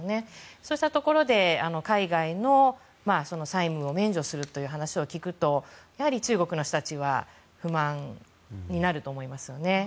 そうしたところで海外の債務を免除するという話を聞くと、やはり中国の人たちは不満になると思いますよね。